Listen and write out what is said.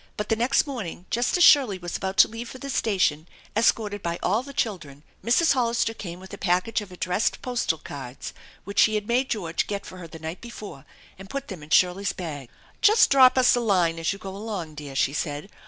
But the next morning just as Shirley was about to leave for the station, escorted by all the children, Mrs. Hollister came with a package of addressed postal cards which she had made George get for her the night before, and put them in Shirley's bag. "Just drop us a line as you go along, dear," she said.